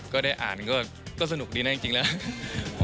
ก็ได้อ่านก็สนุกดีนะจริงแล้ว